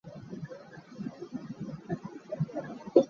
It's the great hour of my life.